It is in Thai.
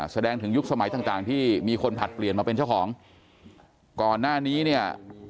แสดงถึงยุคสมัยต่างต่างที่มีคนผลัดเปลี่ยนมาเป็นเจ้าของก่อนหน้านี้เนี่ย